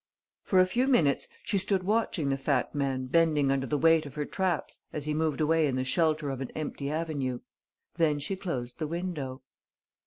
For a few minutes she stood watching the fat man bending under the weight of her traps as he moved away in the shelter of an empty avenue. Then she closed the window.